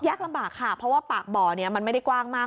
ลำบากค่ะเพราะว่าปากบ่อเนี่ยมันไม่ได้กว้างมาก